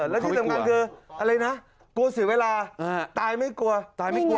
และที่สำคัญคือกลัวเสียเวลาตายไม่กลัว